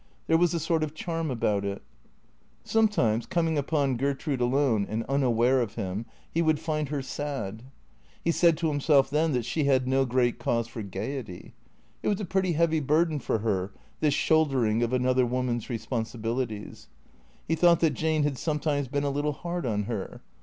There was a sort of cliarm about it. Sometimes, coming upon Gertrude alone and unaware of him, he would find her sad. He said to himself then that she had no great cause for gaiety. It was a pretty heavy burden for her, this shouldering of another woman's responsibilities. He thought that Jane had sometimes been a little hard on her.